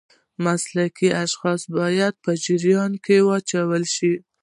مسلکي اشخاص باید په جریان کې واچول شي.